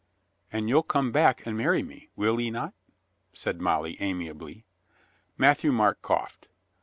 "And you'll come back and marry me, will 'e not?" said Molly amiably. Matthieu Marc coughed.